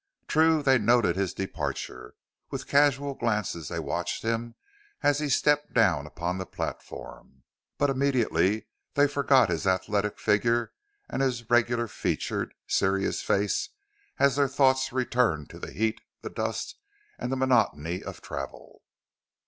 True, they noted his departure; with casual glances they watched him as he stepped down upon the platform; but immediately they forgot his athletic figure and his regular featured, serious face as their thoughts returned to the heat, the dust, and the monotony of travel.